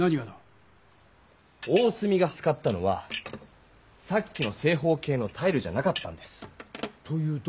大角が使ったのはさっきの正方形のタイルじゃなかったんです！というと？